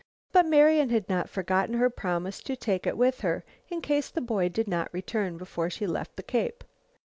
But Marian had not forgotten her promise to take it with her in case the boy did not return before she left the Cape.